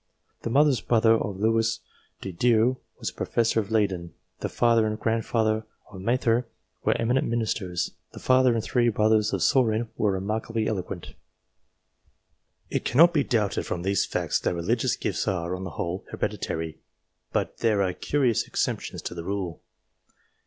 The mother's brother of Lewis de Dieu was a professor at Leyden. The father and grandfather of Mather were eminent ministers. The father and three brothers of Saurin were remarkably eloquent. It cannot be doubted from these facts that religious gifts are, on the whole, hereditary ; but there are curious exceptions to the rule.